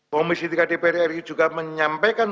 komisi tiga dpr ri juga menyampaikan